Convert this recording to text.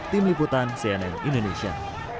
tim liputan cnn indonesia